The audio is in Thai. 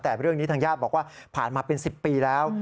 แต่เรื่องนี้ทางญาติบอกว่าผ่านมาเป็น๑๐ปีแล้ว